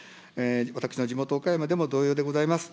私の地元、岡山でも同様でございます。